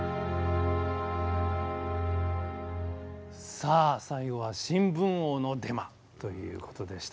さあ最後は「新聞王のデマ」ということでしたけどもね。